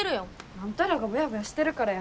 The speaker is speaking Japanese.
あんたらがボヤボヤしてるからや。